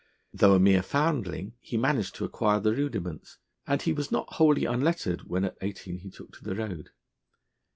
Though a mere foundling, he managed to acquire the rudiments, and he was not wholly unlettered when at eighteen he took to the road.